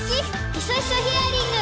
ヒソヒソヒアリング！